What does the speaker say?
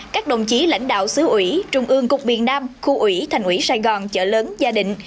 các đồng chí lãnh đạo xứ ủy trung ương cục miền nam khu ủy thành ủy sài gòn chợ lớn gia đình